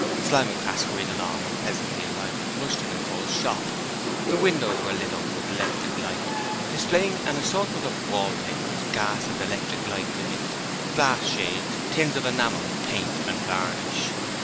Slyme and Crass hurried along and presently arrived at Rushton & Co.'s shop. The windows were lit up with electric light, displaying an assortment of wallpapers, gas and electric light fittings, glass shades, globes, tins of enamel, paint and varnish.